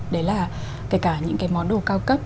đấy là kể cả những cái món đồ cao cấp